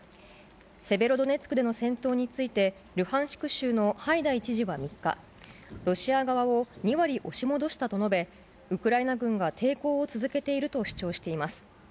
セベロドネツクでの戦闘について、ルハンシク州のハイダイ知事は３日、ロシア側を２割押し戻したと述べ、ウクライナ軍が抵抗を続けていると主張しています。